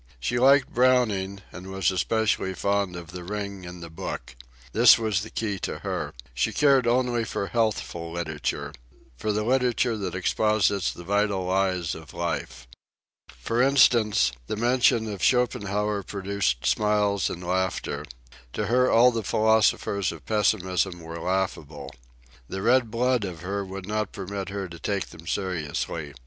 She liked Browning, and was especially fond of The Ring and the Book. This was the key to her. She cared only for healthful literature—for the literature that exposits the vital lies of life. For instance, the mention of Schopenhauer produced smiles and laughter. To her all the philosophers of pessimism were laughable. The red blood of her would not permit her to take them seriously.